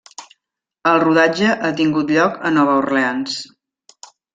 El rodatge ha tingut lloc a Nova Orleans.